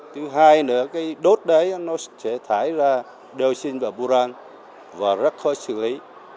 thứ hai nữa đốt đấy nó sẽ thải ra dioxin và purane và rác khó xử lý